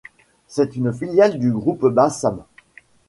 C'est une filiale du Groupe Bassam.